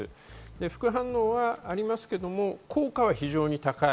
副反応はありますが、効果は非常に高い。